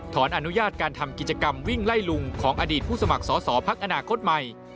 อนุญาตการทำกิจกรรมวิ่งไล่ลุงของอดีตผู้สมัครสอสอพักอนาคตใหม่